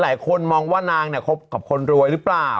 หลายคนมองว่านางเนี่ยคบกับคนรวยหรือเปล่า